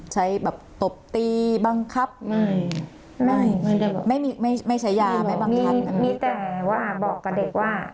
ใช้แบบตบตีบังคับไม่ไม่มีไม่ใช้ยาไม่บังคับมีแต่ว่าบอกกับเด็กว่า